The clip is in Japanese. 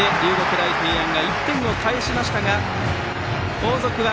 大平安が１点を返しましたが後続は、